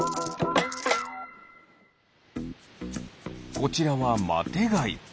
こちらはマテガイ。